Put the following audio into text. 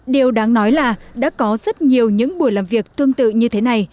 điều đáng nói là đã có rất nhiều những buổi làm việc tương tự như thế này